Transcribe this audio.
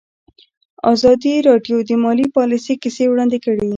ازادي راډیو د مالي پالیسي کیسې وړاندې کړي.